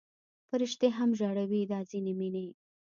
فرشتې هم ژړوي دا ځینې مینې